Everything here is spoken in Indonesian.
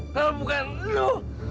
kalau bukan lu